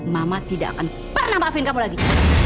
mama tidak akan pernah maafin kamu lagi